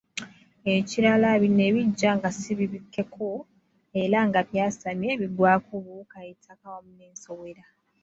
Ekirala bino ebijja nga si bibikkeko, era nga byasamye, bigwako obuwuka, ettaka wamu n'ensowera.